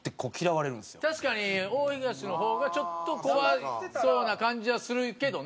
確かに大東の方がちょっと怖そうな感じはするけどな。